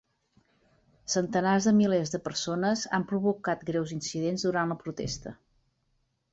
Centenars de milers de persones han provocat greus incidents durant la protesta.